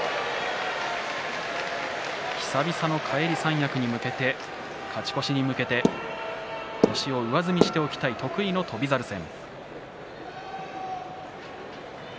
返り三役に向けて勝ち越しに向けて星を上積みしておきたい翔猿戦。